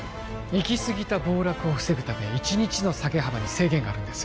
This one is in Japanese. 行き過ぎた暴落を防ぐため１日の下げ幅に制限があるんです